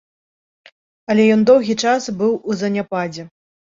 Але ён доўгі час быў у заняпадзе.